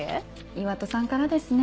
岩戸さんからですね。